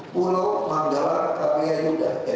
pulau panggalar karyayuda mki